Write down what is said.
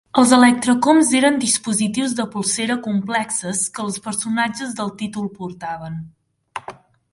Els ElectraComs eren dispositius de polsera complexes que els personatges del títol portaven.